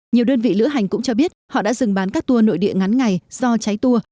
nhiều đơn vị lữ hành cũng cho biết họ đã dừng bán các tour nội địa ngắn ngày do cháy tour